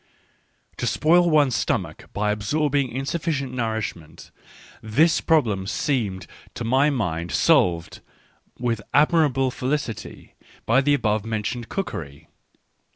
To spoil one's stomach by absorbing insufficient nourishment — this problem seemed to my mind solved with admirable felicity by the above men tioned cookery.